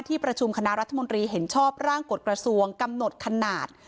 ประชุมคณะรัฐมนตรีเห็นชอบร่างกฎกระทรวงกำหนดขนาด